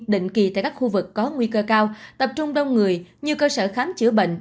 định kỳ tại các khu vực có nguy cơ cao tập trung đông người như cơ sở khám chữa bệnh